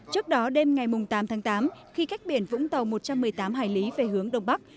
trước đó đêm ngày tám tháng tám khi cách biển vũng tàu một trăm một mươi tám hải lý về hướng đông bắc